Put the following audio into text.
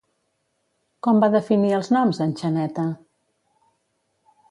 Com va definir els noms en Xaneta?